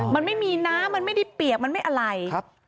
มันไม่มีน้ำมันไม่ได้เปียกมันไม่อะไร